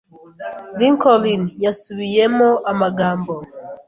Lincoln yasubiyemo amagambo.